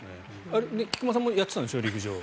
菊間さんもやってたんでしょ？